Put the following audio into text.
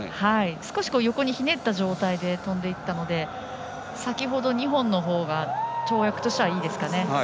少し、横にひねった状態で跳んでいったので先ほど２本のほうが跳躍としてはいいですかね。